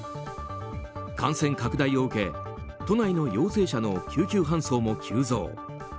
感染拡大を受け都内の陽性者の救急搬送も急増。